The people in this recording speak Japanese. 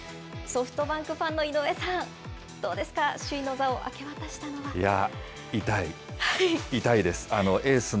ソフトバンクファンの井上さん、どうですか、首位の座を明け渡しいや、痛い。